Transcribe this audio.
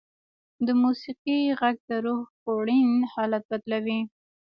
د موسیقۍ ږغ د روح خوړین حالت بدلوي.